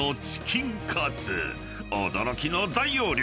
［驚きの大容量！